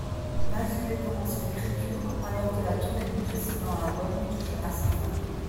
Mazué commence l'écriture alors que la tournée du précédent album touche à sa fin.